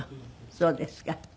そうですか。